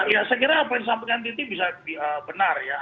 ya saya kira apa yang disampaikan titi bisa benar ya